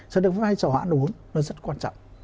sau đó vai trò ăn uống nó rất quan trọng